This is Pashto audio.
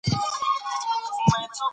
په افغانستان کې د جواهرات تاریخ اوږد دی.